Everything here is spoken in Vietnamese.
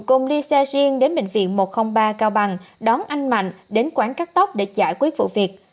cùng đi xe riêng đến bệnh viện một trăm linh ba cao bằng đón anh mạnh đến quán cắt tóc để giải quyết vụ việc